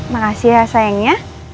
makasih ya sayangnya